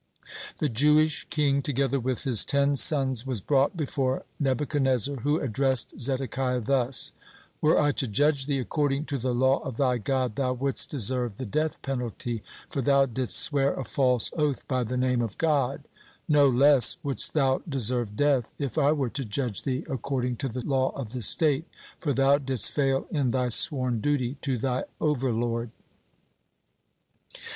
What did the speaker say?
(5) The Jewish king together with his ten sons was brought before Nebuchadnezzar, who addressed Zedekiah thus: "Were I to judge thee according to the law of thy God, thou wouldst deserve the death penalty, for thou didst swear a false oath by the Name of God; no less wouldst thou deserve death, if I were to judge thee according to the law of the state, for thou didst fail in thy sworn duty to thy overlord."